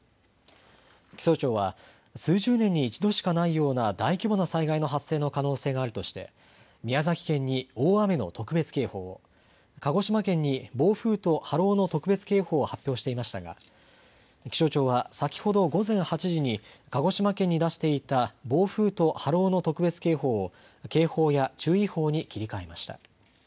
気象庁は数十年に一度しかないような大規模な災害の発生の可能性があるとして宮崎県に大雨の特別警報を、鹿児島県に暴風と波浪の特別警報を発表していましたが気象庁は先ほど午前８時に鹿児島県に出していた暴風と波浪の特別警報を警報や注意報に切り替えました。